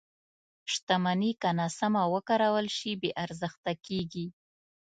• شتمني که ناسمه وکارول شي، بې ارزښته کېږي.